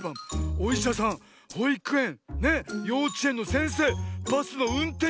おいしゃさんほいくえんようちえんのせんせいバスのうんてん